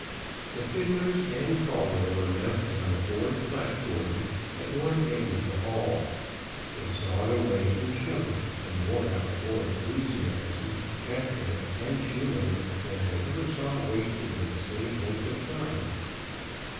The fiddlers and caller were mounted on a board platform at one end of the "hall." They sawed away and shouted, and wore out more enthusiasm, catgut and shoe leather than I ever saw wasted in the same length of time.